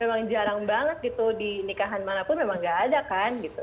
dan memang jarang banget gitu di nikahan mana pun memang gak ada kan gitu